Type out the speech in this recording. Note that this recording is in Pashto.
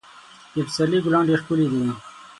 د پسرلي ګلان ډېر ښکلي دي.